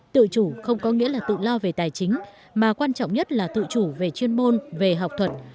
tự chủ không có nghĩa là tự lo về tài chính mà quan trọng nhất là tự chủ về chuyên môn về học thuật